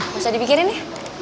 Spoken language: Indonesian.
gak usah dibikirin ya